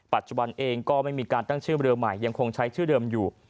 ปัจจุบันเองก็ไม่มีการตั้งชื่อเรือใหม่ยังคงใช้ชื่อเดิมอยู่